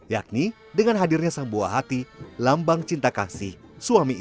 yakni dengan hadirnya sang buah hati lambang cinta kasih suami istri